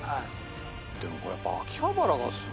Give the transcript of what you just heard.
でもこれやっぱ秋葉原がすごいな。